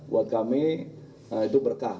buat kami itu berkah